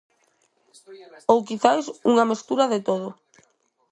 Ou, quizais, unha mestura de todo.